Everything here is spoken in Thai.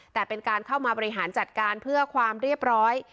แต่เป็นการเข้ามาบริหารจัดการเพื่อความเรียบร้อย